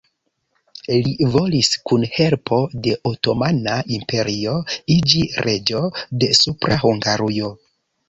Li volis, kun helpo de Otomana Imperio, iĝi reĝo de Supra Hungarujo.